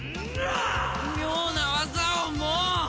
妙な技をもう！